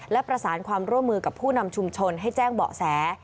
และประสานความร่วมมือกับผู้นำชุมชนให้แจ้งเบาะแส